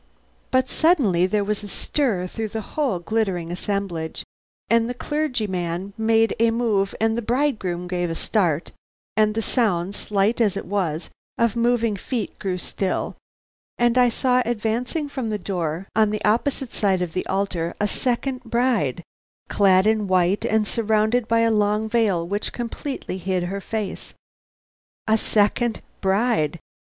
But suddenly there was a stir through the whole glittering assemblage, and the clergyman made a move and the bridegroom gave a start, and the sound, slight as it was, of moving feet grew still, and I saw advancing from the door on the opposite side of the altar a second bride, clad in white and surrounded by a long veil which completely hid her face. A second bride!